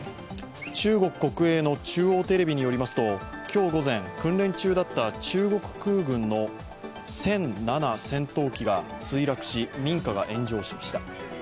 中国国営の中央テレビによりますと今日午前、訓練中だった中国空軍の殲７戦闘機が墜落し民家が炎上しました。